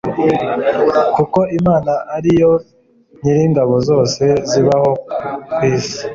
kuko imana ari yo nyir'ingabo zose zibaho ku isi